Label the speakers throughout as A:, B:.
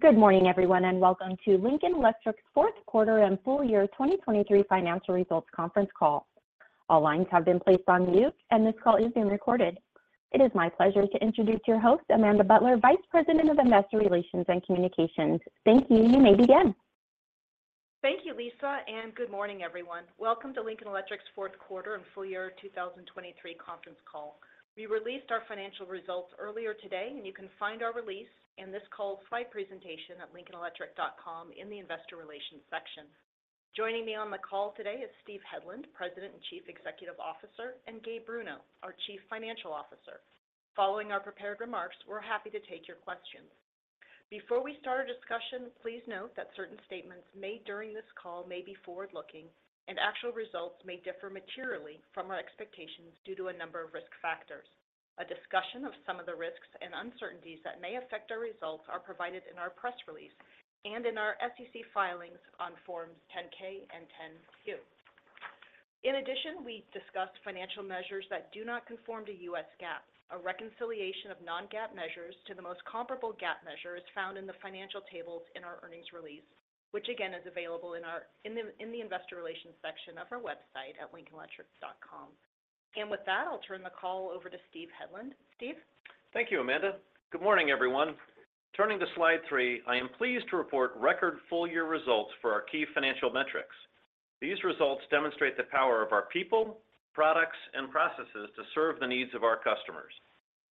A: Good morning, everyone, and welcome to Lincoln Electric's fourth quarter and full year 2023 financial results conference call. All lines have been placed on mute, and this call is being recorded. It is my pleasure to introduce your host, Amanda Butler, Vice President of Investor Relations and Communications. Thank you. You may begin.
B: Thank you, Lisa, and good morning, everyone. Welcome to Lincoln Electric's fourth quarter and full year 2023 conference call. We released our financial results earlier today, and you can find our release and this call's slide presentation at LincolnElectric.com in the Investor Relations section. Joining me on the call today is Steve Hedlund, President and Chief Executive Officer, and Gabe Bruno, our Chief Financial Officer. Following our prepared remarks, we're happy to take your questions. Before we start our discussion, please note that certain statements made during this call may be forward-looking, and actual results may differ materially from our expectations due to a number of risk factors. A discussion of some of the risks and uncertainties that may affect our results are provided in our press release and in our SEC filings on Forms 10-K and 10-Q. In addition, we discuss financial measures that do not conform to U.S. GAAP. A reconciliation of non-GAAP measures to the most comparable GAAP measure is found in the financial tables in our earnings release, which again is available in the Investor Relations section of our website at LincolnElectric.com. And with that, I'll turn the call over to Steve Hedlund. Steve?
C: Thank you, Amanda. Good morning, everyone. Turning to slide three, I am pleased to report record full year results for our key financial metrics. These results demonstrate the power of our people, products, and processes to serve the needs of our customers.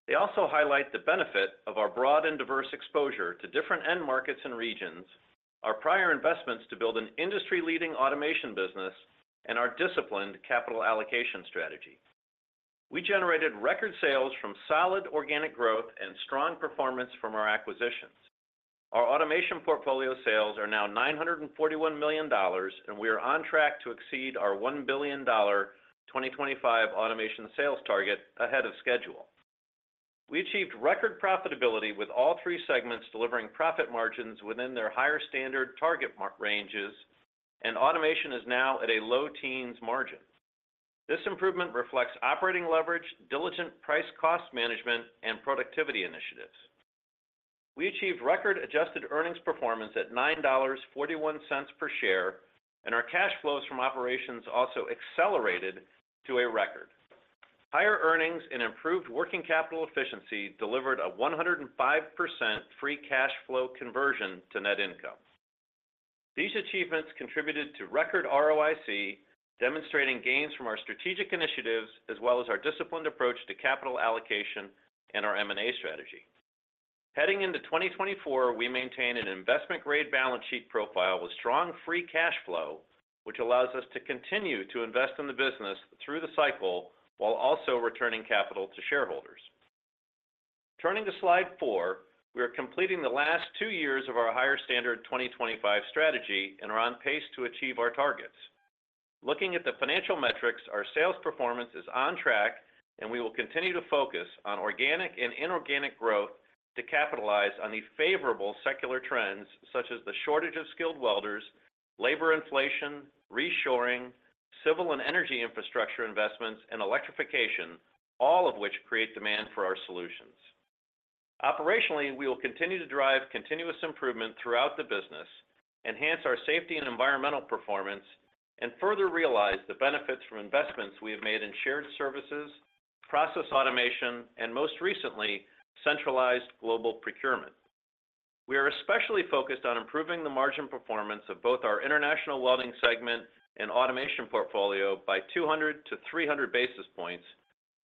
C: They also highlight the benefit of our broad and diverse exposure to different end markets and regions, our prior investments to build an industry-leading automation business, and our disciplined capital allocation strategy. We generated record sales from solid organic growth and strong performance from our acquisitions. Our automation portfolio sales are now $941 million, and we are on track to exceed our $1 billion 2025 automation sales target ahead of schedule. We achieved record profitability with all three segments delivering profit margins within their Higher Standard target ranges, and automation is now at a low teens margin. This improvement reflects operating leverage, diligent price-cost management, and productivity initiatives. We achieved record adjusted earnings performance at $9.41 per share, and our cash flows from operations also accelerated to a record. Higher earnings and improved working capital efficiency delivered a 105% free cash flow conversion to net income. These achievements contributed to record ROIC, demonstrating gains from our strategic initiatives as well as our disciplined approach to capital allocation and our M&A strategy. Heading into 2024, we maintain an investment-grade balance sheet profile with strong free cash flow, which allows us to continue to invest in the business through the cycle while also returning capital to shareholders. Turning to slide 4, we are completing the last two years of our Higher Standard 2025 Strategy and are on pace to achieve our targets. Looking at the financial metrics, our sales performance is on track, and we will continue to focus on organic and inorganic growth to capitalize on the favorable secular trends such as the shortage of skilled welders, labor inflation, reshoring, civil and energy infrastructure investments, and electrification, all of which create demand for our solutions. Operationally, we will continue to drive continuous improvement throughout the business, enhance our safety and environmental performance, and further realize the benefits from investments we have made in shared services, process automation, and most recently, centralized global procurement. We are especially focused on improving the margin performance of both our International Welding segment and automation portfolio by 200-300 basis points,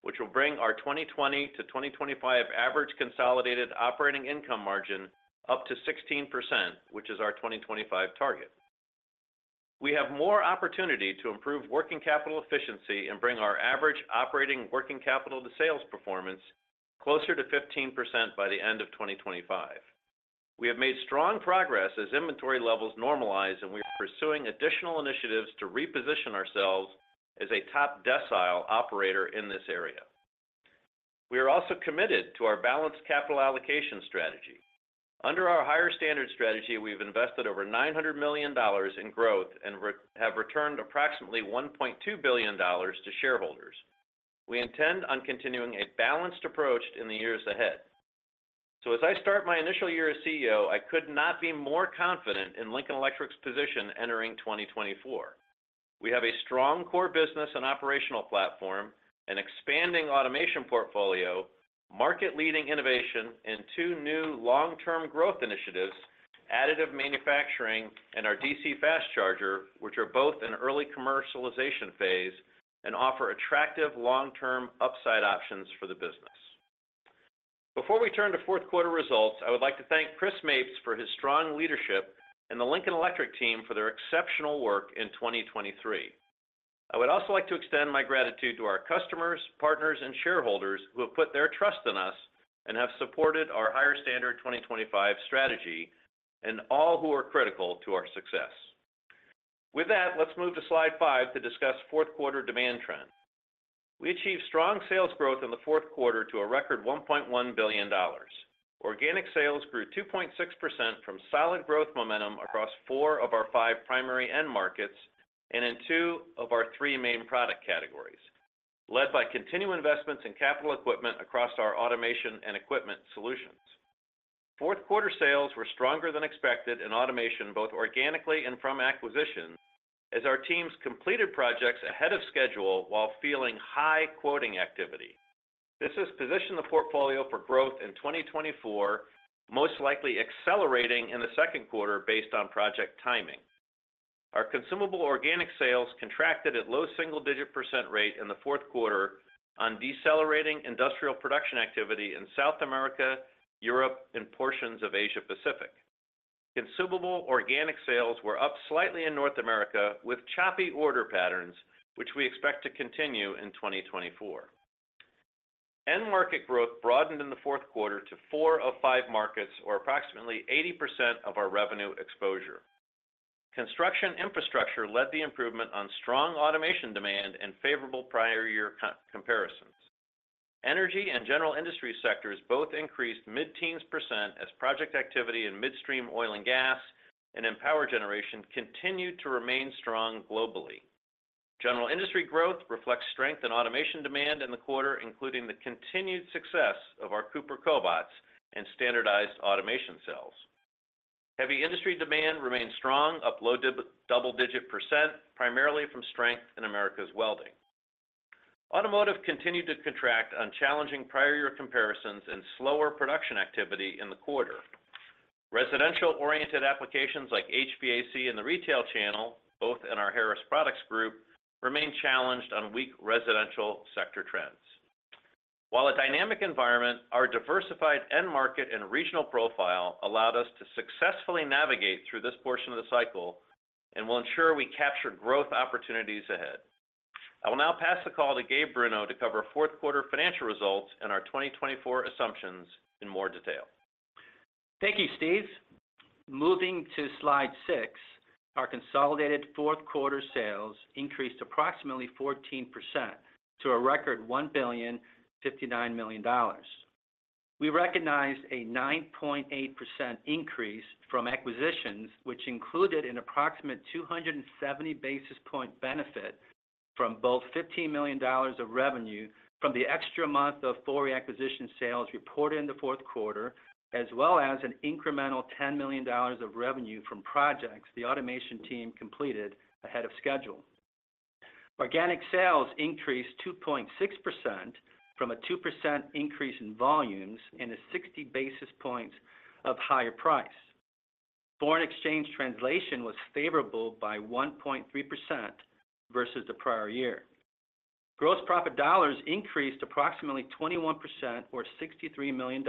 C: which will bring our 2020-2025 average consolidated operating income margin up to 16%, which is our 2025 target. We have more opportunity to improve working capital efficiency and bring our average operating working capital to sales performance closer to 15% by the end of 2025. We have made strong progress as inventory levels normalize, and we are pursuing additional initiatives to reposition ourselves as a top decile operator in this area. We are also committed to our balanced capital allocation strategy. Under our Higher Standard strategy, we've invested over $900 million in growth and have returned approximately $1.2 billion to shareholders. We intend on continuing a balanced approach in the years ahead. As I start my initial year as CEO, I could not be more confident in Lincoln Electric's position entering 2024. We have a strong core business and operational platform, an expanding automation portfolio, market-leading innovation, and two new long-term growth initiatives: additive manufacturing and our DC Fast Charger, which are both in early commercialization phase and offer attractive long-term upside options for the business. Before we turn to fourth quarter results, I would like to thank Chris Mapes for his strong leadership and the Lincoln Electric team for their exceptional work in 2023. I would also like to extend my gratitude to our customers, partners, and shareholders who have put their trust in us and have supported our Higher Standard 2025 Strategy and all who are critical to our success. With that, let's move to slide five to discuss fourth quarter demand trend. We achieved strong sales growth in the fourth quarter to a record $1.1 billion. Organic sales grew 2.6% from solid growth momentum across four of our five primary end markets and in two of our three main product categories, led by continual investments in capital equipment across our automation and equipment solutions. Fourth quarter sales were stronger than expected in automation, both organically and from acquisitions, as our teams completed projects ahead of schedule while feeling high quoting activity. This has positioned the portfolio for growth in 2024, most likely accelerating in the second quarter based on project timing. Our consumable organic sales contracted at low single-digit % rate in the fourth quarter on decelerating industrial production activity in South America, Europe, and portions of Asia-Pacific. Consumable organic sales were up slightly in North America with choppy order patterns, which we expect to continue in 2024. End market growth broadened in the fourth quarter to four of five markets, or approximately 80% of our revenue exposure. Construction infrastructure led the improvement on strong automation demand and favorable prior year comparisons. Energy and general industry sectors both increased mid-teens% as project activity in midstream oil and gas and in power generation continued to remain strong globally. General industry growth reflects strength in automation demand in the quarter, including the continued success of our Cooper cobots and standardized automation cells. Heavy industry demand remained strong, up low double-digit%, primarily from strength in Americas Welding. Automotive continued to contract on challenging prior year comparisons and slower production activity in the quarter. Residential-oriented applications like HVAC and the retail channel, both in our Harris Products Group, remain challenged on weak residential sector trends. While a dynamic environment, our diversified end market and regional profile allowed us to successfully navigate through this portion of the cycle and will ensure we capture growth opportunities ahead. I will now pass the call to Gabe Bruno to cover fourth quarter financial results and our 2024 assumptions in more detail.
D: Thank you, Steve. Moving to slide 6, our consolidated fourth quarter sales increased approximately 14% to a record $1.059 billion. We recognized a 9.8% increase from acquisitions, which included an approximate 270 basis point benefit from both $15 million of revenue from the extra month of foreign acquisition sales reported in the fourth quarter, as well as an incremental $10 million of revenue from projects the automation team completed ahead of schedule. Organic sales increased 2.6% from a 2% increase in volumes and a 60 basis points of higher price. Foreign exchange translation was favorable by 1.3% versus the prior year. Gross profit dollars increased approximately 21%, or $63 million,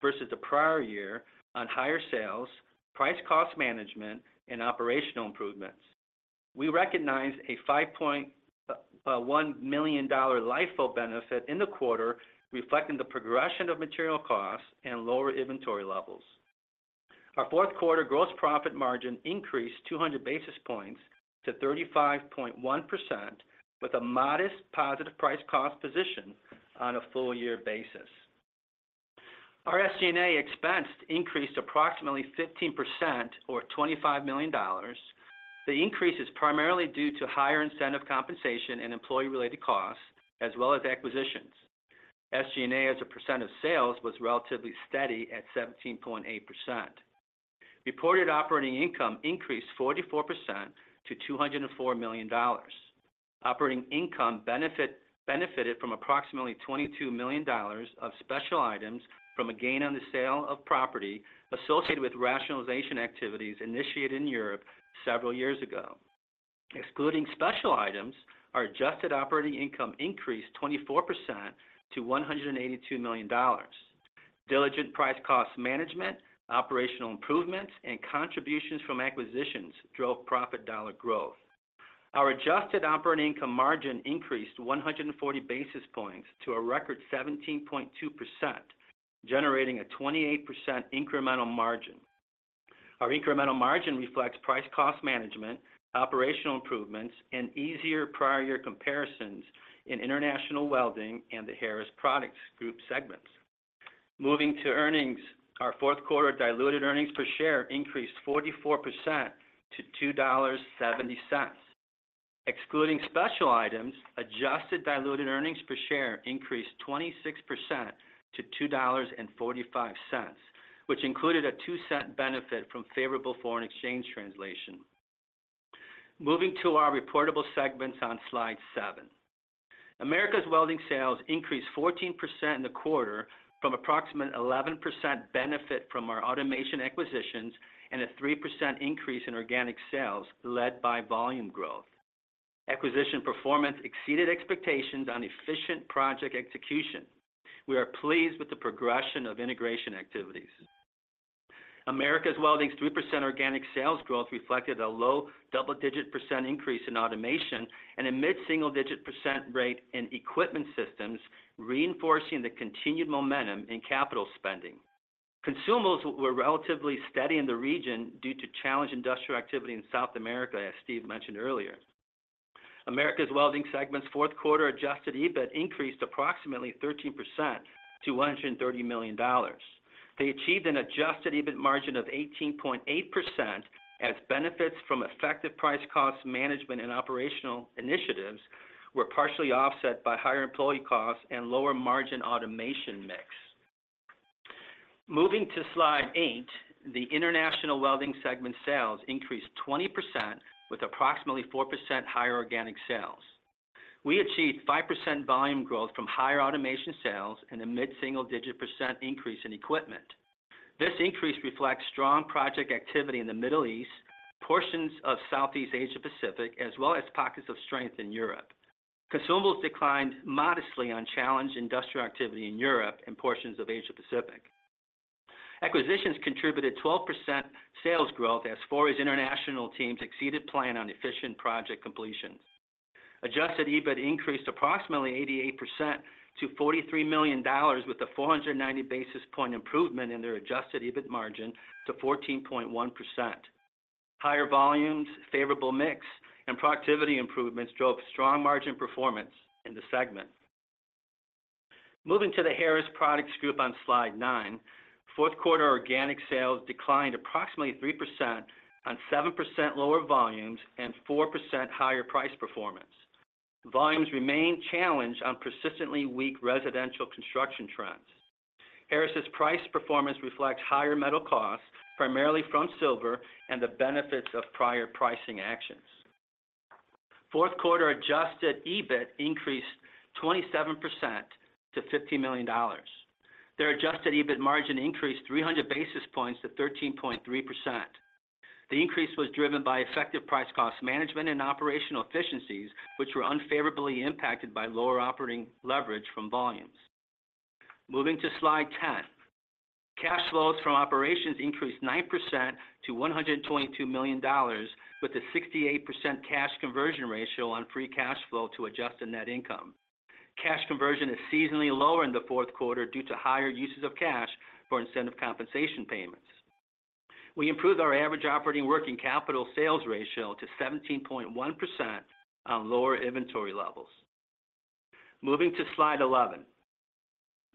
D: versus the prior year on higher sales, price cost management, and operational improvements. We recognized a $5.1 million LIFO benefit in the quarter, reflecting the progression of material costs and lower inventory levels. Our fourth quarter gross profit margin increased 200 basis points to 35.1%, with a modest positive price cost position on a full year basis. Our SG&A expense increased approximately 15%, or $25 million. The increase is primarily due to higher incentive compensation and employee-related costs, as well as acquisitions. SG&A as a percent of sales was relatively steady at 17.8%. Reported operating income increased 44% to $204 million. Operating income benefited from approximately $22 million of special items from a gain on the sale of property associated with rationalization activities initiated in Europe several years ago. Excluding special items, our adjusted operating income increased 24% to $182 million. Diligent price cost management, operational improvements, and contributions from acquisitions drove profit dollar growth. Our adjusted operating income margin increased 140 basis points to a record 17.2%, generating a 28% incremental margin. Our incremental margin reflects price cost management, operational improvements, and easier prior year comparisons in International Welding and the Harris Products Group segments. Moving to earnings, our fourth quarter diluted earnings per share increased 44% to $2.70. Excluding special items, adjusted diluted earnings per share increased 26% to $2.45, which included a $0.02 benefit from favorable foreign exchange translation. Moving to our reportable segments on slide seven, Americas Welding sales increased 14% in the quarter from approximate 11% benefit from our automation acquisitions and a 3% increase in organic sales led by volume growth. Acquisition performance exceeded expectations on efficient project execution. We are pleased with the progression of integration activities. Americas Welding's 3% organic sales growth reflected a low double-digit % increase in automation and a mid-single-digit % rate in equipment systems, reinforcing the continued momentum in capital spending. Consumables were relatively steady in the region due to challenged industrial activity in South America, as Steve mentioned earlier. Americas welding segment's fourth quarter adjusted EBIT increased approximately 13% to $130 million. They achieved an adjusted EBIT margin of 18.8% as benefits from effective price cost management and operational initiatives were partially offset by higher employee costs and lower margin automation mix. Moving to slide eight, the international welding segment sales increased 20% with approximately 4% higher organic sales. We achieved 5% volume growth from higher automation sales and a mid-single-digit % increase in equipment. This increase reflects strong project activity in the Middle East, portions of Southeast Asia-Pacific, as well as pockets of strength in Europe. Consumables declined modestly on challenged industrial activity in Europe and portions of Asia-Pacific. Acquisitions contributed 12% sales growth as foreign international teams exceeded plan on efficient project completions. Adjusted EBIT increased approximately 88% to $43 million, with a 490 basis points improvement in their adjusted EBIT margin to 14.1%. Higher volumes, favorable mix, and productivity improvements drove strong margin performance in the segment. Moving to the Harris Products Group on slide nine, fourth quarter organic sales declined approximately 3% on 7% lower volumes and 4% higher price performance. Volumes remain challenged on persistently weak residential construction trends. Harris's price performance reflects higher metal costs, primarily from silver, and the benefits of prior pricing actions. Fourth quarter adjusted EBIT increased 27% to $50 million. Their adjusted EBIT margin increased 300 basis points to 13.3%. The increase was driven by effective price cost management and operational efficiencies, which were unfavorably impacted by lower operating leverage from volumes. Moving to slide 10, cash flows from operations increased 9% to $122 million, with a 68% cash conversion ratio on free cash flow to adjusted net income. Cash conversion is seasonally lower in the fourth quarter due to higher uses of cash for incentive compensation payments. We improved our average operating working capital sales ratio to 17.1% on lower inventory levels. Moving to slide 11,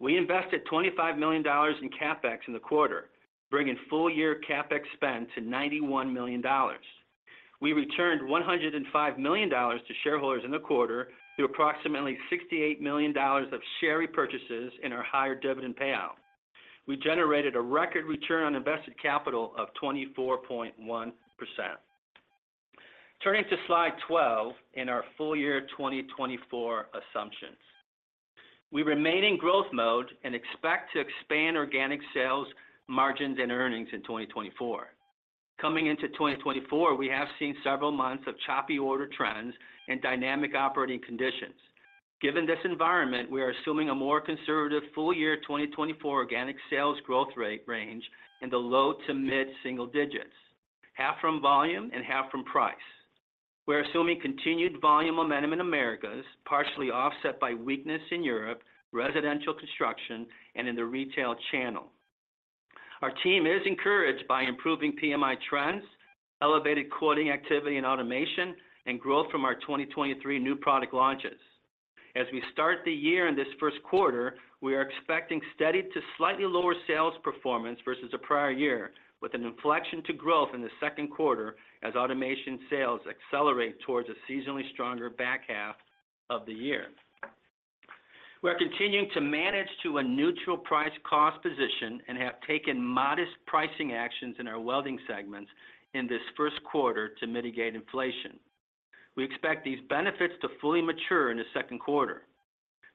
D: we invested $25 million in CapEx in the quarter, bringing full year CapEx spend to $91 million. We returned $105 million to shareholders in the quarter through approximately $68 million of share repurchases in our higher dividend payout. We generated a record return on invested capital of 24.1%. Turning to slide 12 in our full year 2024 assumptions, we remain in growth mode and expect to expand organic sales margins and earnings in 2024. Coming into 2024, we have seen several months of choppy order trends and dynamic operating conditions. Given this environment, we are assuming a more conservative full year 2024 organic sales growth rate range in the low- to mid-single digits, half from volume and half from price. We are assuming continued volume momentum in America, partially offset by weakness in Europe, residential construction, and in the retail channel. Our team is encouraged by improving PMI trends, elevated quoting activity in automation, and growth from our 2023 new product launches. As we start the year in this first quarter, we are expecting steady to slightly lower sales performance versus a prior year, with an inflection to growth in the second quarter as automation sales accelerate towards a seasonally stronger back half of the year. We are continuing to manage to a neutral price cost position and have taken modest pricing actions in our welding segments in this first quarter to mitigate inflation. We expect these benefits to fully mature in the second quarter.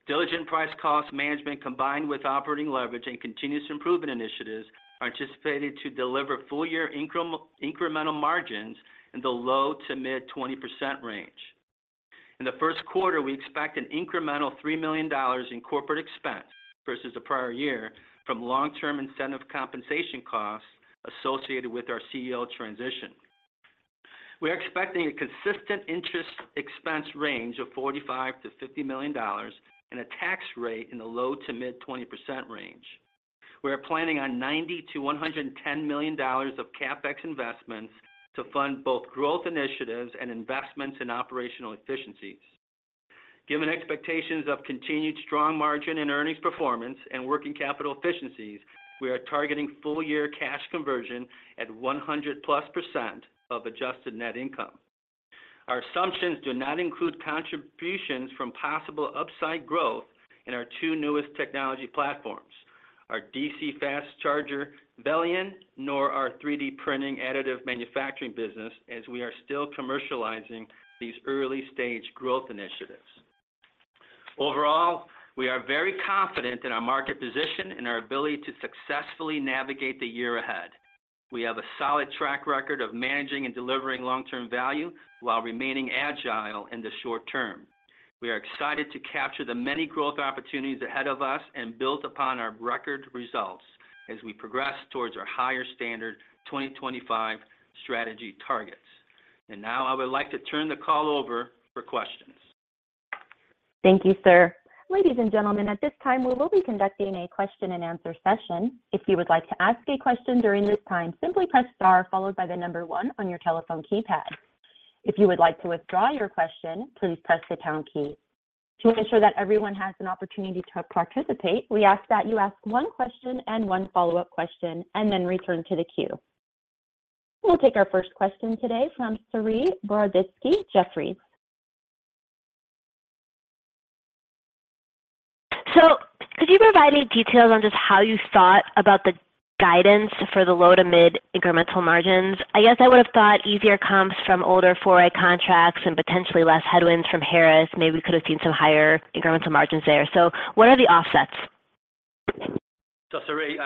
D: Diligent price cost management, combined with operating leverage and continuous improvement initiatives, are anticipated to deliver full year incremental margins in the low to mid-20% range. In the first quarter, we expect an incremental $3 million in corporate expense versus a prior year from long-term incentive compensation costs associated with our CEO transition. We are expecting a consistent interest expense range of $45-$50 million and a tax rate in the low to mid-20% range. We are planning on $90-$110 million of CapEx investments to fund both growth initiatives and investments in operational efficiencies. Given expectations of continued strong margin and earnings performance and working capital efficiencies, we are targeting full-year cash conversion at 100+% of adjusted net income. Our assumptions do not include contributions from possible upside growth in our two newest technology platforms, our DC fast charger Velion, nor our 3D printing additive manufacturing business, as we are still commercializing these early-stage growth initiatives. Overall, we are very confident in our market position and our ability to successfully navigate the year ahead. We have a solid track record of managing and delivering long-term value while remaining agile in the short term. We are excited to capture the many growth opportunities ahead of us and build upon our record results as we progress towards our Higher Standard 2025 Strategy targets. Now I would like to turn the call over for questions.
A: Thank you, sir. Ladies and gentlemen, at this time, we will be conducting a question-and-answer session. If you would like to ask a question during this time, simply press star followed by the number one on your telephone keypad. If you would like to withdraw your question, please press the pound key. To ensure that everyone has an opportunity to participate, we ask that you ask one question and one follow-up question and then return to the queue. We'll take our first question today from Saree Boroditsky, Jefferies.
E: Could you provide me details on just how you thought about the guidance for the low to mid-incremental margins? I guess I would have thought easier comps from older Fori contracts and potentially less headwinds from Harris. Maybe we could have seen some higher incremental margins there. What are the offsets?
D: So, Saree,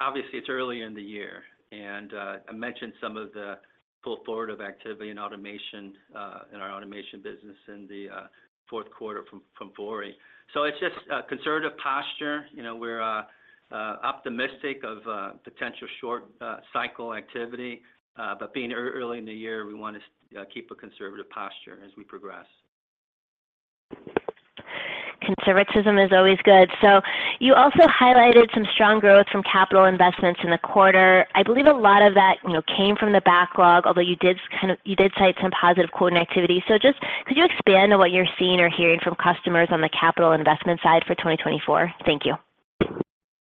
D: obviously, it's early in the year, and I mentioned some of the pull forward of activity and automation in our automation business in the fourth quarter from Fori. So it's just conservative posture. We're optimistic of potential short-cycle activity, but being early in the year, we want to keep a conservative posture as we progress.
E: Conservatism is always good. So you also highlighted some strong growth from capital investments in the quarter. I believe a lot of that came from the backlog, although you did cite some positive quoting activity. So just could you expand on what you're seeing or hearing from customers on the capital investment side for 2024? Thank you.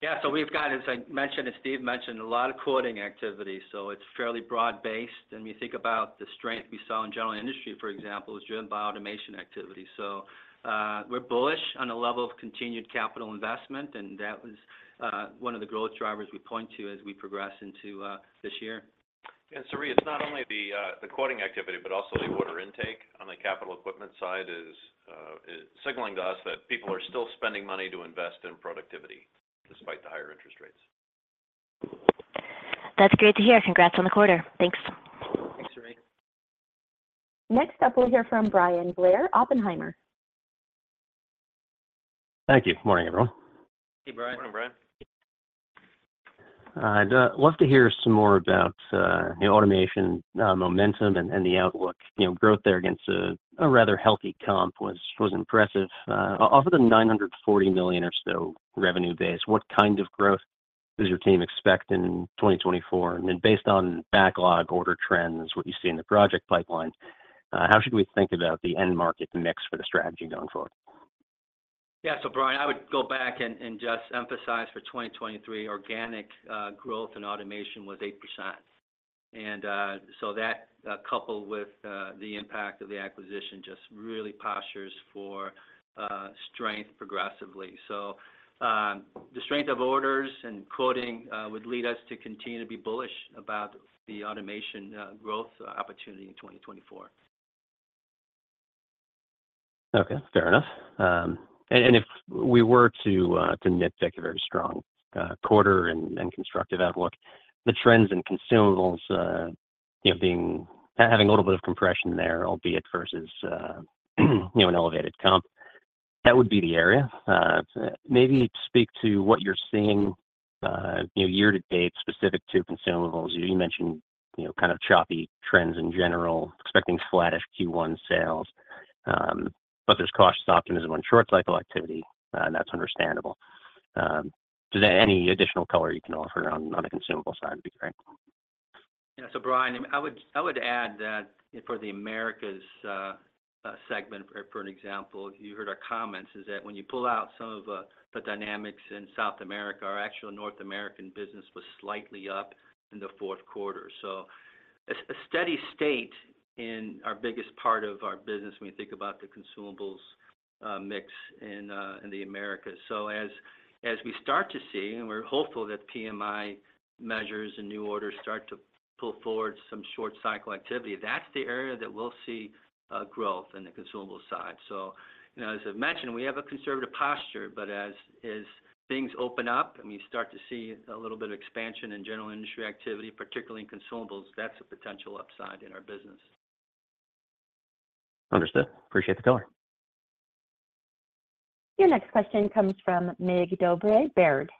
C: Yeah. We've got, as I mentioned, as Steve mentioned, a lot of quoting activity. It's fairly broad-based. When you think about the strength we saw in general industry, for example, it was driven by automation activity. We're bullish on the level of continued capital investment, and that was one of the growth drivers we point to as we progress into this year. Saree, it's not only the quoting activity, but also the order intake on the capital equipment side is signaling to us that people are still spending money to invest in productivity despite the higher interest rates.
E: That's great to hear. Congrats on the quarter. Thanks.
D: Thanks, Saree.
A: Next up, we'll hear from Brian Blair, Oppenheimer.
F: Thank you. Morning, everyone.
D: Hey, Brian.
C: Morning, Brian.
F: I'd love to hear some more about automation momentum and the outlook. Growth there against a rather healthy comp was impressive. Off of the $940 million or so revenue base, what kind of growth does your team expect in 2024? Then based on backlog order trends, what you see in the project pipeline, how should we think about the end market mix for the strategy going forward?
D: Yeah. So Brian, I would go back and just emphasize for 2023, organic growth in automation was 8%. And so that, coupled with the impact of the acquisition, just really postures for strength progressively. So the strength of orders and quoting would lead us to continue to be bullish about the automation growth opportunity in 2024.
F: Okay. Fair enough. And if we were to nitpick a very strong quarter and constructive outlook, the trends in consumables having a little bit of compression there, albeit versus an elevated comp, that would be the area. Maybe speak to what you're seeing year-to-date specific to consumables. You mentioned kind of choppy trends in general, expecting flattish Q1 sales, but there's cautious optimism on short-cycle activity, and that's understandable. Is there any additional color you can offer on the consumable side? It'd be great.
D: Yeah. So Brian, I would add that for the Americas segment, for example, you heard our comments, is that when you pull out some of the dynamics in South America, our actual North American business was slightly up in the fourth quarter. So a steady state in our biggest part of our business when you think about the consumables mix in the Americas. So as we start to see, and we're hopeful that PMI measures and new orders start to pull forward some short-cycle activity, that's the area that we'll see growth in the consumable side. So as I've mentioned, we have a conservative posture, but as things open up and we start to see a little bit of expansion in general industry activity, particularly in consumables, that's a potential upside in our business.
F: Understood. Appreciate the color.
A: Your next question comes from Mig Dobre, Baird.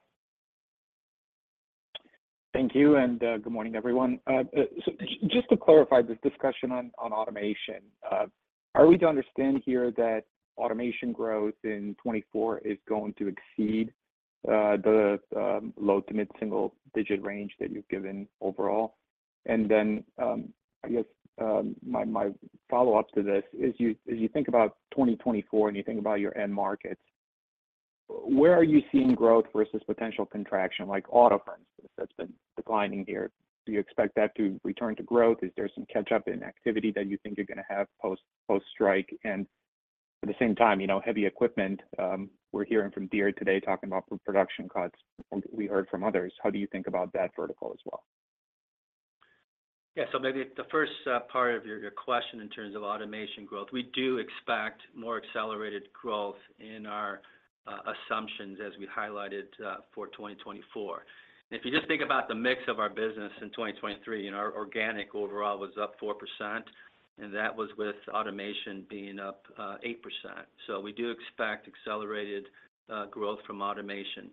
G: Thank you, and good morning, everyone. So just to clarify this discussion on automation, are we to understand here that automation growth in 2024 is going to exceed the low to mid-single-digit range that you've given overall? And then I guess my follow-up to this is, as you think about 2024 and you think about your end markets, where are you seeing growth versus potential contraction? Like auto, for instance, that's been declining here. Do you expect that to return to growth? Is there some catch-up in activity that you think you're going to have post-strike? And at the same time, heavy equipment, we're hearing from Deere today talking about production cuts. We heard from others. How do you think about that vertical as well?
D: Yeah. So maybe the first part of your question in terms of automation growth, we do expect more accelerated growth in our assumptions as we highlighted for 2024. And if you just think about the mix of our business in 2023, our organic overall was up 4%, and that was with automation being up 8%. So we do expect accelerated growth from automation.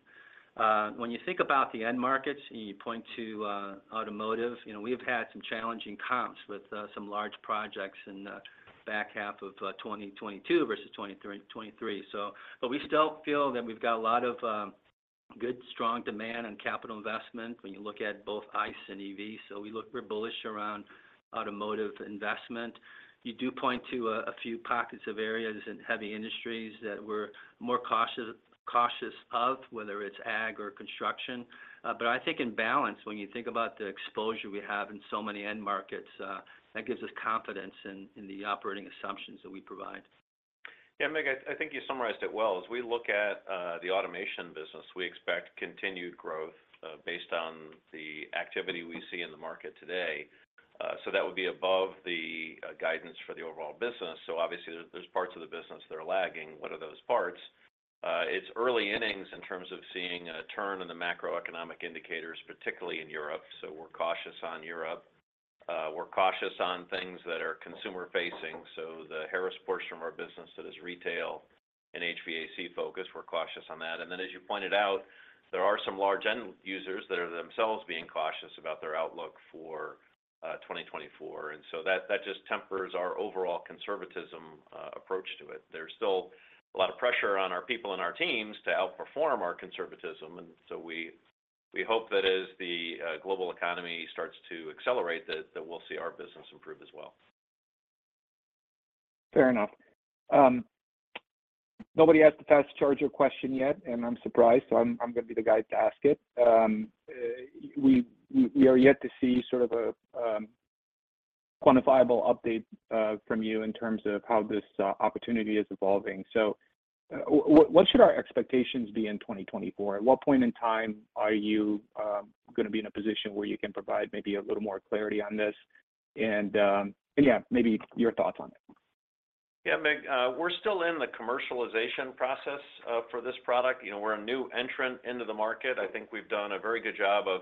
D: When you think about the end markets, and you point to automotive, we've had some challenging comps with some large projects in the back half of 2022 versus 2023. But we still feel that we've got a lot of good, strong demand on capital investment when you look at both ICE and EV. So we're bullish around automotive investment. You do point to a few pockets of areas in heavy industries that we're more cautious of, whether it's ag or construction. I think in balance, when you think about the exposure we have in so many end markets, that gives us confidence in the operating assumptions that we provide.
C: Yeah, Mig, I think you summarized it well. As we look at the automation business, we expect continued growth based on the activity we see in the market today. So that would be above the guidance for the overall business. So obviously, there's parts of the business that are lagging. What are those parts? It's early innings in terms of seeing a turn in the macroeconomic indicators, particularly in Europe. So we're cautious on Europe. We're cautious on things that are consumer-facing. So the Harris portion of our business that is retail and HVAC-focused, we're cautious on that. And then as you pointed out, there are some large end users that are themselves being cautious about their outlook for 2024. And so that just tempers our overall conservatism approach to it. There's still a lot of pressure on our people and our teams to outperform our conservatism. And so we hope that as the global economy starts to accelerate, that we'll see our business improve as well.
G: Fair enough. Nobody asked the fast charger question yet, and I'm surprised, so I'm going to be the guy to ask it. We are yet to see sort of a quantifiable update from you in terms of how this opportunity is evolving. So what should our expectations be in 2024? At what point in time are you going to be in a position where you can provide maybe a little more clarity on this? And yeah, maybe your thoughts on it.
C: Yeah, Mig, we're still in the commercialization process for this product. We're a new entrant into the market. I think we've done a very good job of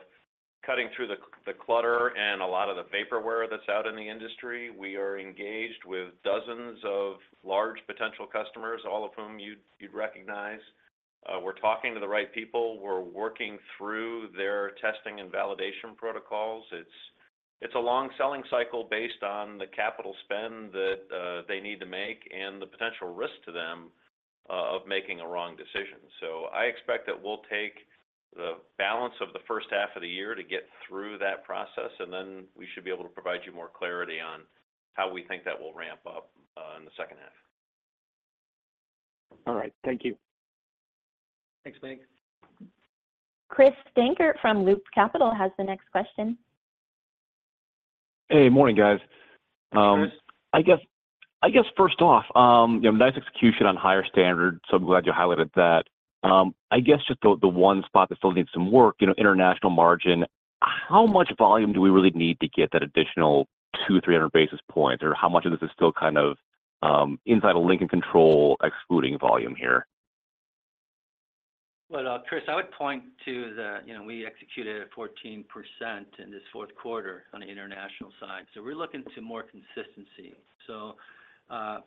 C: cutting through the clutter and a lot of the vaporware that's out in the industry. We are engaged with dozens of large potential customers, all of whom you'd recognize. We're talking to the right people. We're working through their testing and validation protocols. It's a long selling cycle based on the capital spend that they need to make and the potential risk to them of making a wrong decision. So I expect that we'll take the balance of the first half of the year to get through that process, and then we should be able to provide you more clarity on how we think that will ramp up in the second half.
G: All right. Thank you.
D: Thanks, Mig.
A: Chris Dankert from Loop Capital has the next question.
H: Hey, morning, guys. I guess first off, nice execution on higher standard. So I'm glad you highlighted that. I guess just the one spot that still needs some work, international margin, how much volume do we really need to get that additional 200, 300 basis points, or how much of this is still kind of inside Lincoln's control excluding volume here?
D: Well, Chris, I would point to that we executed 14% in this fourth quarter on the international side. So we're looking to more consistency. So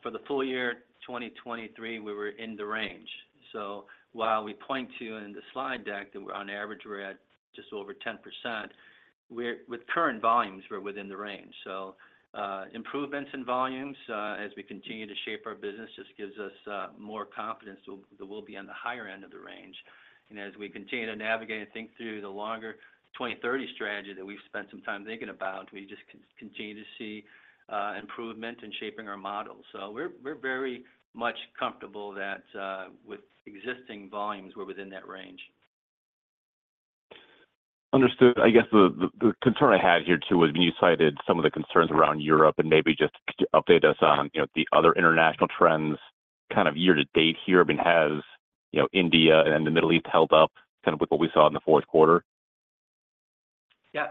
D: for the full year 2023, we were in the range. So while we point to in the slide deck that on average, we're at just over 10%, with current volumes, we're within the range. So improvements in volumes as we continue to shape our business just gives us more confidence that we'll be on the higher end of the range. And as we continue to navigate and think through the longer 2030 strategy that we've spent some time thinking about, we just continue to see improvement in shaping our model. So we're very much comfortable that with existing volumes, we're within that range.
H: Understood. I guess the concern I had here too was when you cited some of the concerns around Europe and maybe just update us on the other international trends kind of year-to-date here. I mean, has India and the Middle East held up kind of with what we saw in the fourth quarter?
D: Yeah.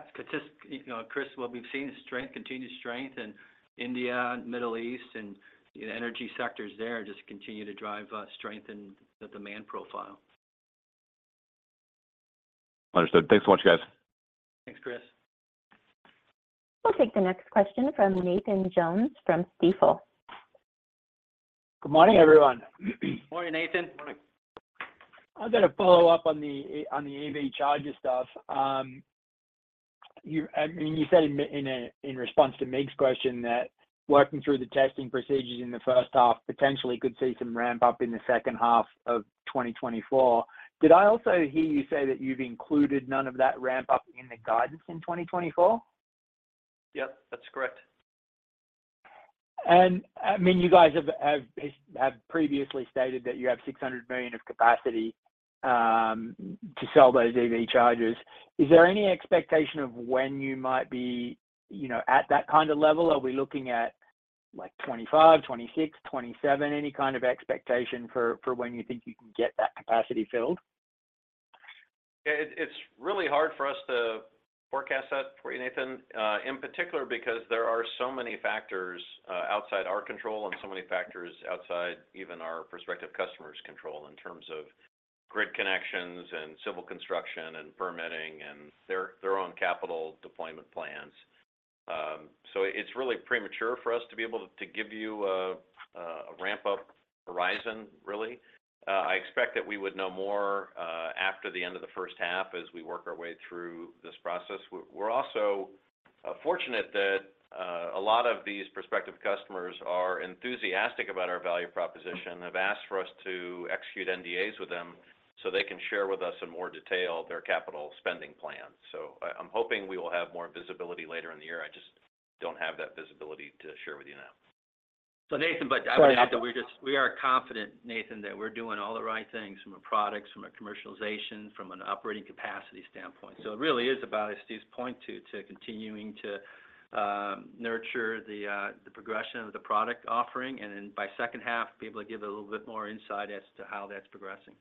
D: Chris, what we've seen is continued strength in India and Middle East, and the energy sectors there just continue to drive strength in the demand profile.
H: Understood. Thanks so much, guys.
D: Thanks, Chris.
A: We'll take the next question from Nathan Jones from Stifel.
I: Good morning, everyone.
D: Morning, Nathan.
I: Morning. I've got to follow up on the EV chargers stuff. I mean, you said in response to Mig's question that working through the testing procedures in the first half potentially could see some ramp-up in the second half of 2024. Did I also hear you say that you've included none of that ramp-up in the guidance in 2024?
C: Yep, that's correct.
I: I mean, you guys have previously stated that you have $600 million of capacity to sell those EV charges. Is there any expectation of when you might be at that kind of level? Are we looking at 2025, 2026, 2027, any kind of expectation for when you think you can get that capacity filled?
C: Yeah. It's really hard for us to forecast that for you, Nathan, in particular because there are so many factors outside our control and so many factors outside even our prospective customers' control in terms of grid connections and civil construction and permitting and their own capital deployment plans. So it's really premature for us to be able to give you a ramp-up horizon, really. I expect that we would know more after the end of the first half as we work our way through this process. We're also fortunate that a lot of these prospective customers are enthusiastic about our value proposition, have asked for us to execute NDAs with them so they can share with us in more detail their capital spending plans. So I'm hoping we will have more visibility later in the year. I just don't have that visibility to share with you now.
D: So Nathan, but I would add that we are confident, Nathan, that we're doing all the right things from a product, from a commercialization, from an operating capacity standpoint. So it really is about, as Steve's pointed to, to continuing to nurture the progression of the product offering and then by second half, be able to give a little bit more insight as to how that's progressing.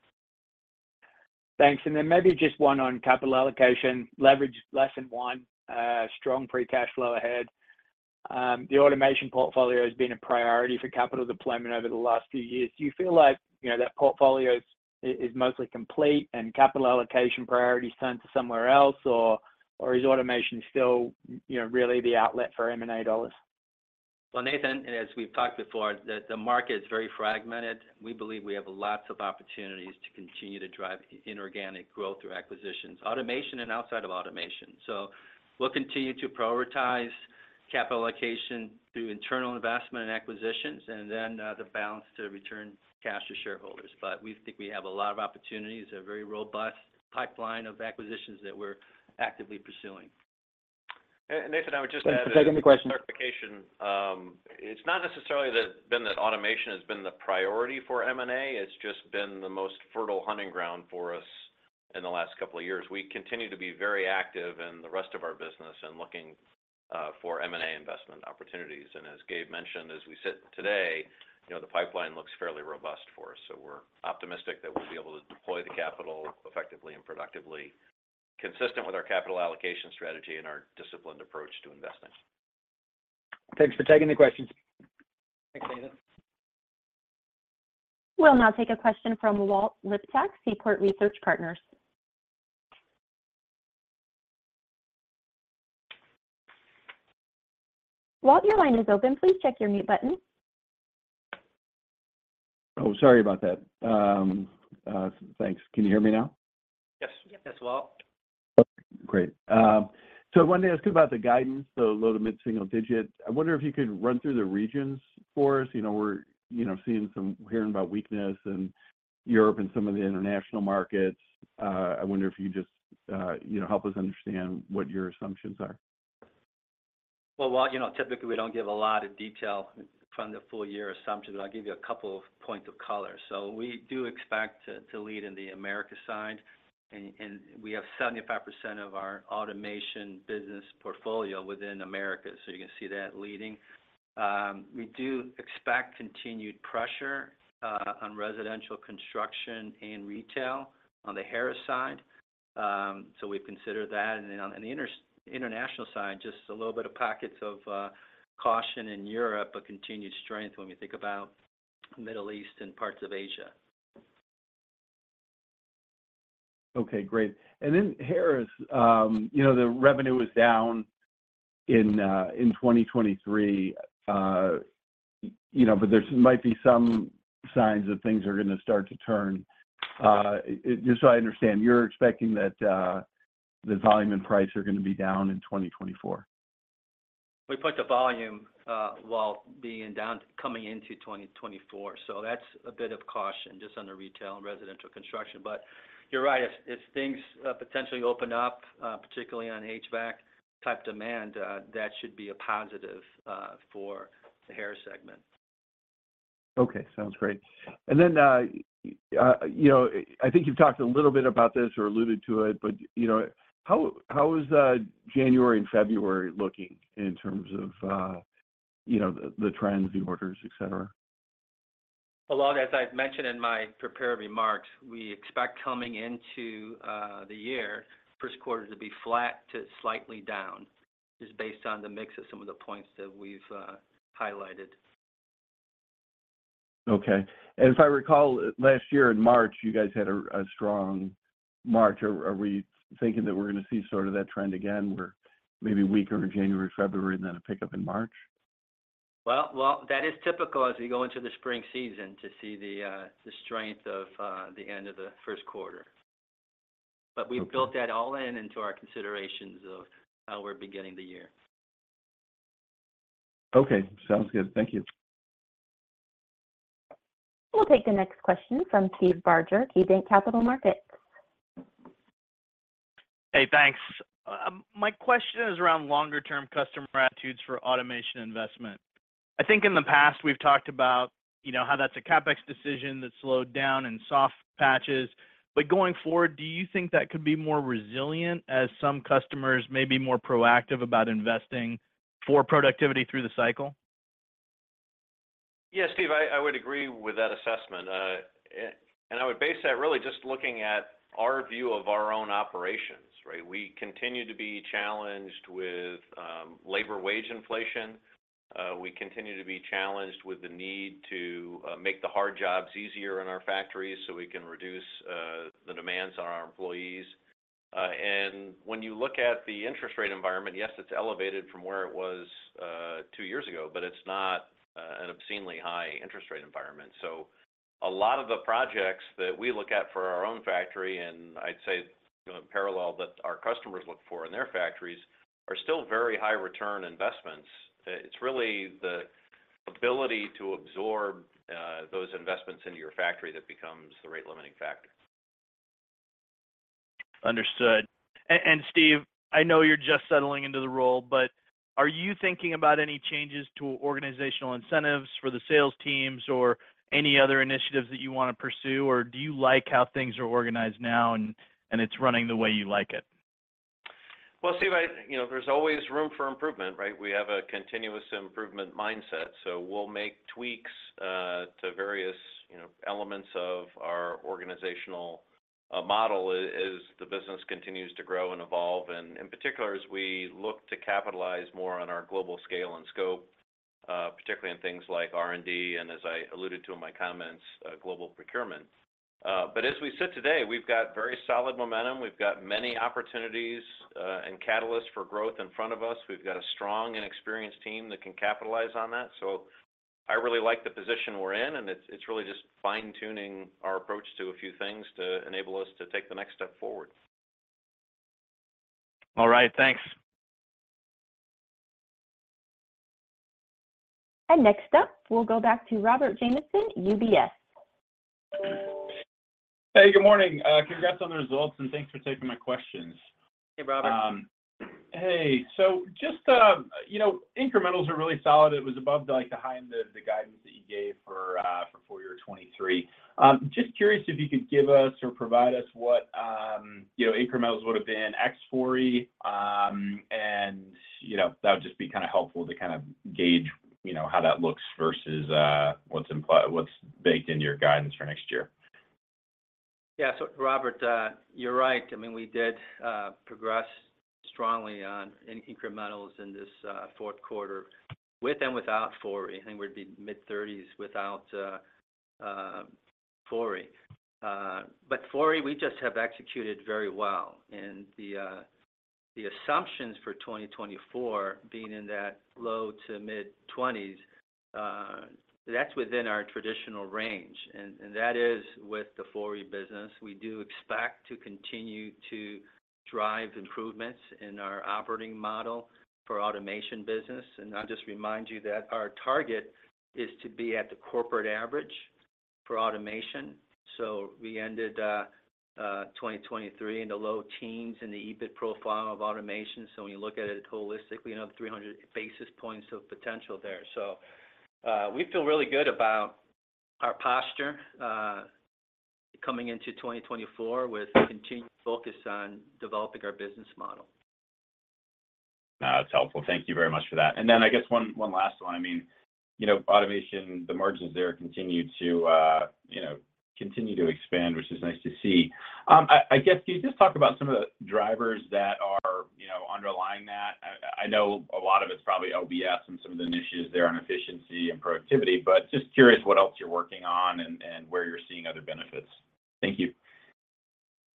I: Thanks. Then maybe just one on capital allocation. Leverage less than 1, strong free cash flow ahead. The automation portfolio has been a priority for capital deployment over the last few years. Do you feel like that portfolio is mostly complete and capital allocation priority is turned to somewhere else, or is automation still really the outlet for M&A dollars?
D: Well, Nathan, as we've talked before, the market is very fragmented. We believe we have lots of opportunities to continue to drive inorganic growth through acquisitions, automation and outside of automation. We'll continue to prioritize capital allocation through internal investment and acquisitions and then the balance to return cash to shareholders. We think we have a lot of opportunities, a very robust pipeline of acquisitions that we're actively pursuing.
C: Nathan, I would just add that. Just to second the question. Certainly, it's not necessarily been that automation has been the priority for M&A. It's just been the most fertile hunting ground for us in the last couple of years. We continue to be very active in the rest of our business and looking for M&A investment opportunities. As Gabe mentioned, as we sit today, the pipeline looks fairly robust for us. We're optimistic that we'll be able to deploy the capital effectively and productively, consistent with our capital allocation strategy and our disciplined approach to investing.
I: Thanks for taking the questions.
D: Thanks, David.
A: We'll now take a question from Walt Liptak, Seaport Research Partners. Walt, your line is open. Please check your mute button.
J: Oh, sorry about that. Thanks. Can you hear me now?
D: Yes. Yes, Walt.
J: Great. So I wanted to ask you about the guidance, the low to mid-single digit. I wonder if you could run through the regions for us. We're hearing about weakness in Europe and some of the international markets. I wonder if you could just help us understand what your assumptions are.
D: Well, Walt, typically, we don't give a lot of detail from the full-year assumptions, but I'll give you a couple of points of color. So we do expect to lead in the America side, and we have 75% of our automation business portfolio within America. So you can see that leading. We do expect continued pressure on residential construction and retail on the Harris side. So we've considered that. And then on the international side, just a little bit of pockets of caution in Europe, but continued strength when we think about the Middle East and parts of Asia.
J: Okay, great. And then Harris, the revenue was down in 2023, but there might be some signs that things are going to start to turn. Just so I understand, you're expecting that the volume and price are going to be down in 2024?
D: We put the volume, Walt, coming into 2024. So that's a bit of caution just on the retail and residential construction. But you're right. If things potentially open up, particularly on HVAC-type demand, that should be a positive for the Harris segment.
J: Okay, sounds great. And then I think you've talked a little bit about this or alluded to it, but how is January and February looking in terms of the trends, the orders, etc.?
D: Well, as I've mentioned in my prepared remarks, we expect coming into the year, first quarter to be flat to slightly down just based on the mix of some of the points that we've highlighted.
J: Okay. If I recall, last year in March, you guys had a strong March. Are we thinking that we're going to see sort of that trend again, maybe weaker in January, February, and then a pickup in March?
D: Well, that is typical as we go into the spring season to see the strength of the end of the first quarter. But we've built that all in into our considerations of how we're beginning the year.
J: Okay, sounds good. Thank you.
A: We'll take the next question from Steve Barger, KeyBanc Capital Markets.
K: Hey, thanks. My question is around longer-term customer attitudes for automation investment. I think in the past, we've talked about how that's a CapEx decision that slowed down and soft patches. But going forward, do you think that could be more resilient as some customers may be more proactive about investing for productivity through the cycle?
C: Yes, Steve, I would agree with that assessment. And I would base that really just looking at our view of our own operations, right? We continue to be challenged with labor-wage inflation. We continue to be challenged with the need to make the hard jobs easier in our factories so we can reduce the demands on our employees. And when you look at the interest rate environment, yes, it's elevated from where it was two years ago, but it's not an obscenely high interest rate environment. So a lot of the projects that we look at for our own factory, and I'd say in parallel that our customers look for in their factories, are still very high-return investments. It's really the ability to absorb those investments into your factory that becomes the rate-limiting factor.
K: Understood. And Steve, I know you're just settling into the role, but are you thinking about any changes to organizational incentives for the sales teams or any other initiatives that you want to pursue, or do you like how things are organized now and it's running the way you like it?
C: Well, Steve, there's always room for improvement, right? We have a continuous improvement mindset. We'll make tweaks to various elements of our organizational model as the business continues to grow and evolve. In particular, as we look to capitalize more on our global scale and scope, particularly in things like R&D and, as I alluded to in my comments, global procurement. As we sit today, we've got very solid momentum. We've got many opportunities and catalysts for growth in front of us. We've got a strong and experienced team that can capitalize on that. I really like the position we're in, and it's really just fine-tuning our approach to a few things to enable us to take the next step forward.
K: All right, thanks.
A: Next up, we'll go back to Rob Jamieson, UBS.
L: Hey, good morning. Congrats on the results, and thanks for taking my questions.
D: Hey, Robert.
L: Hey. So just incrementals are really solid. It was above the high end of the guidance that you gave for full year 2023. Just curious if you could give us or provide us what incrementals would have been, ex-Fori, and that would just be kind of helpful to kind of gauge how that looks versus what's baked in your guidance for next year.
D: Yeah. So Robert, you're right. I mean, we did progress strongly on incrementals in this fourth quarter with and without Fori. I think we'd be mid-30s without Fori. But Fori, we just have executed very well. And the assumptions for 2024 being in that low- to mid-20s, that's within our traditional range. And that is with the Fori business. We do expect to continue to drive improvements in our operating model for automation business. And I'll just remind you that our target is to be at the corporate average for automation. So we ended 2023 in the low teens in the EBIT profile of automation. So when you look at it holistically, you have 300 basis points of potential there. So we feel really good about our posture coming into 2024 with continued focus on developing our business model.
L: That's helpful. Thank you very much for that. And then I guess one last one. I mean, automation, the margins there continue to expand, which is nice to see. I guess, can you just talk about some of the drivers that are underlying that? I know a lot of it's probably OBS and some of the initiatives there on efficiency and productivity, but just curious what else you're working on and where you're seeing other benefits. Thank you.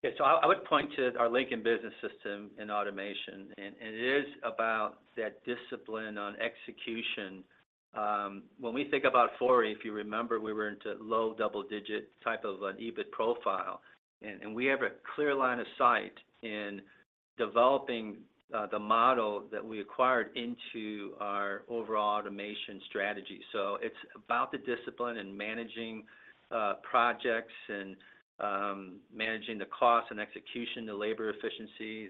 D: Yeah. So I would point to our Lincoln Business System in automation. It is about that discipline on execution. When we think about Fori, if you remember, we were into low double-digit type of an EBIT profile. We have a clear line of sight in developing the model that we acquired into our overall automation strategy. So it's about the discipline in managing projects and managing the cost and execution, the labor efficiency,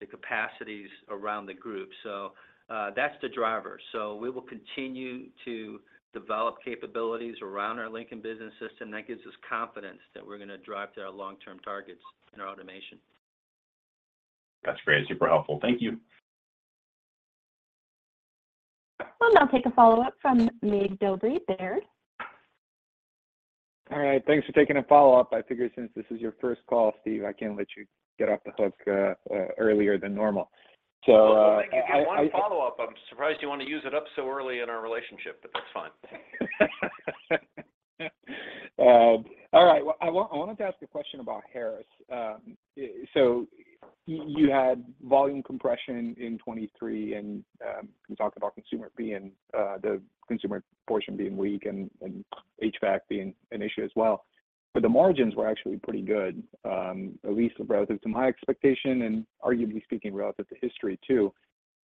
D: the capacities around the group. So that's the driver. We will continue to develop capabilities around our Lincoln Business System. That gives us confidence that we're going to drive to our long-term targets in our automation.
L: That's great. Super helpful. Thank you.
A: We'll now take a follow-up from Mig Dobre, Baird.
G: All right. Thanks for taking a follow-up. I figure since this is your first call, Steve, I can't let you get off the hook earlier than normal. So.
C: If I give you one follow-up, I'm surprised you want to use it up so early in our relationship, but that's fine.
G: All right. Well, I wanted to ask a question about Harris. So you had volume compression in 2023, and we talked about consumer being the consumer portion being weak and HVAC being an issue as well. But the margins were actually pretty good, at least relative to my expectation and arguably speaking relative to history too.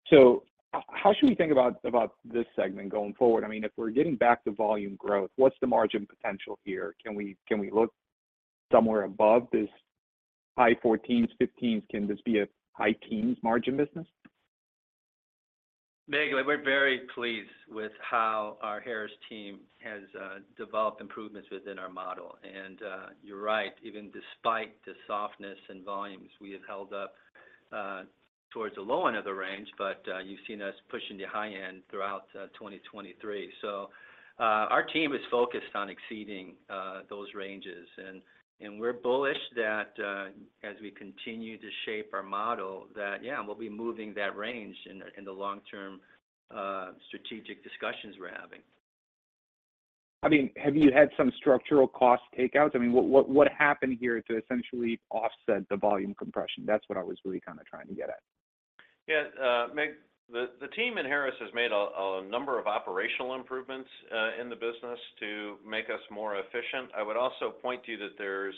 G: So how should we think about this segment going forward? I mean, if we're getting back to volume growth, what's the margin potential here? Can we look somewhere above this high 14s, 15s? Can this be a high teens margin business?
D: Meg, we're very pleased with how our Harris team has developed improvements within our model. You're right. Even despite the softness and volumes, we have held up towards the low end of the range, but you've seen us push into high end throughout 2023. Our team is focused on exceeding those ranges. We're bullish that as we continue to shape our model, that, yeah, we'll be moving that range in the long-term strategic discussions we're having.
G: I mean, have you had some structural cost takeouts? I mean, what happened here to essentially offset the volume compression? That's what I was really kind of trying to get at.
C: Yeah. Meg, the team in Harris has made a number of operational improvements in the business to make us more efficient. I would also point to that there's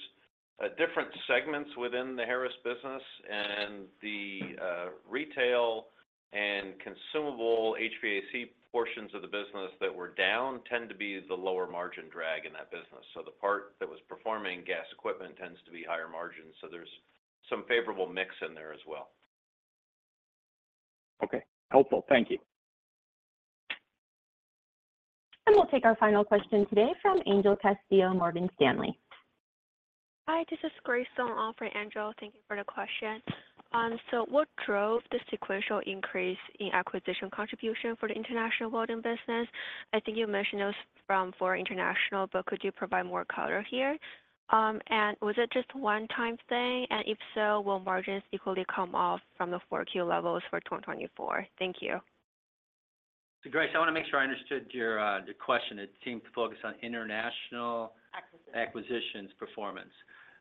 C: different segments within the Harris business. And the retail and consumable HVAC portions of the business that were down tend to be the lower margin drag in that business. So the part that was performing gas equipment tends to be higher margins. So there's some favorable mix in there as well.
G: Okay, helpful. Thank you.
A: We'll take our final question today from Angel Castillo, Morgan Stanley.
M: Hi. This is Grace Lee for Angel. Thank you for the question. So what drove the sequential increase in acquisition contribution for the international building business? I think you mentioned this from Fori international, but could you provide more color here? And was it just a one-time thing? And if so, will margins equally come off from the 4Q levels for 2024? Thank you.
D: So Grace, I want to make sure I understood your question. It seemed to focus on international acquisitions performance.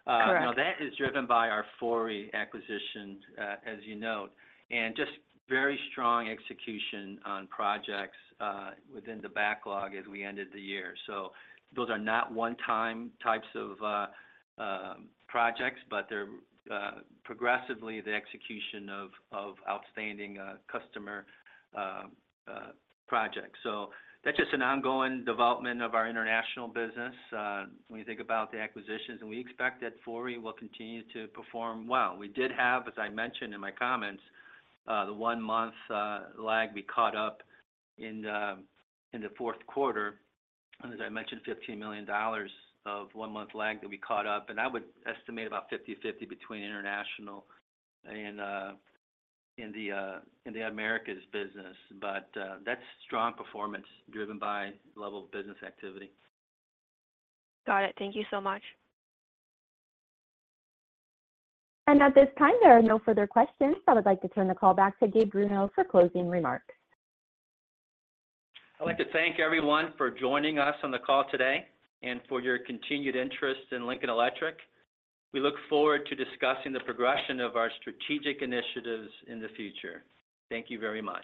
D: That is driven by our Fori acquisitions, as you note, and just very strong execution on projects within the backlog as we ended the year. So those are not one-time types of projects, but they're progressively the execution of outstanding customer projects. So that's just an ongoing development of our international business when you think about the acquisitions. And we expect that Fori will continue to perform well. We did have, as I mentioned in my comments, the one-month lag we caught up in the fourth quarter. And as I mentioned, $15 million of one-month lag that we caught up. And I would estimate about 50/50 between international and the Americas business. But that's strong performance driven by level of business activity.
M: Got it. Thank you so much.
A: At this time, there are no further questions. I would like to turn the call back to Gabe Bruno for closing remarks.
D: I'd like to thank everyone for joining us on the call today and for your continued interest in Lincoln Electric. We look forward to discussing the progression of our strategic initiatives in the future. Thank you very much.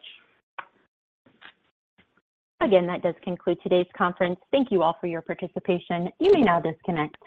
A: Again, that does conclude today's conference. Thank you all for your participation. You may now disconnect.